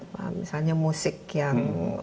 misalnya musik yang